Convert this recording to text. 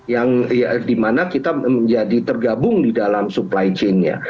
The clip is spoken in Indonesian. yang dimana kita menjadi tergabung di dalam supply chainnya